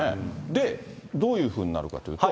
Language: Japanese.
で、どういうふうになるかというと。